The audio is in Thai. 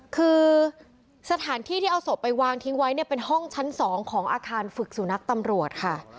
คือสถานที่ที่เอาศพไปวางทิ้งไว้เนี่ยเป็นห้องชั้น๒ของอาคารฝึกสุนัขตำรวจค่ะ